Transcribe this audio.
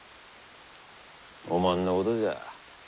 おまんのことじゃ。